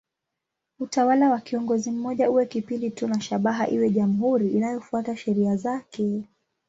Utawala wa kiongozi mmoja uwe kipindi tu na shabaha iwe jamhuri inayofuata sheria zake.